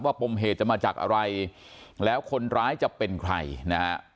ปมเหตุจะมาจากอะไรแล้วคนร้ายจะเป็นใครนะฮะ